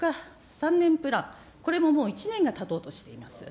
３年プラン、これももう１年がたとうとしております。